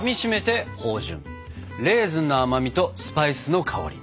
レーズンの甘みとスパイスの香り。